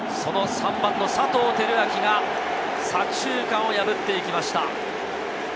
３番の佐藤輝明が左中間を破っていきました。